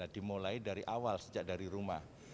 dimulai dari awal sejak dari rumah